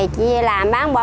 chị làm bán bỏ mối